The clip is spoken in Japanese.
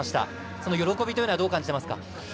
その喜びというのはどう感じていますか？